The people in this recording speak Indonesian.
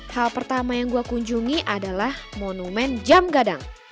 hal pertama yang gue kunjungi adalah monumen jam gadang